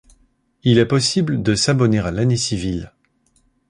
Il est possible de s'abonner à l'année civile.